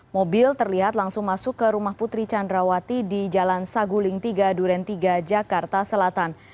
mobil terlihat langsung masuk ke rumah putri candrawati di jalan saguling tiga duren tiga jakarta selatan